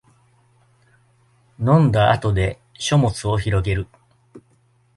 飲んだ後で書物をひろげる